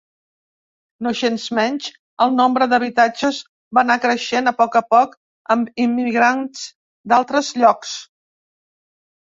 Nogensmenys, el nombre d'habitatges va anar creixent a poc a poc amb immigrants d'altres llocs.